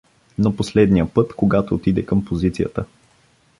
Но последния път, когато отиде към позицията.